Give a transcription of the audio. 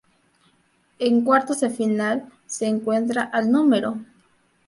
En cuartos de final se encuentra al No.